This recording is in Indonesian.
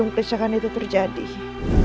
aku tak bisa jelasin apa yang terjadi ini